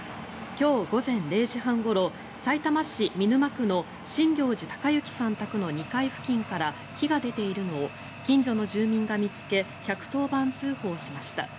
今日午前０時半ごろさいたま市見沼区の新行内隆之さん宅の２階付近から火が出ているのを近所の住民が見つけ１１０番通報しました。